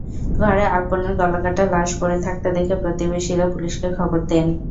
ঘরে আলপনার গলাকাটা লাশ পড়ে থাকতে দেখে প্রতিবেশীরা পুলিশকে খবর দেন।